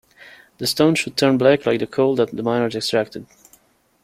The stone should turn black like the coal that the miners extracted.